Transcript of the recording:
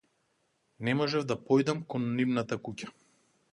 Не можев да појдам кон нивната куќа.